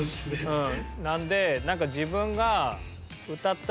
うん。